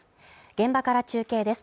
現場から中継です。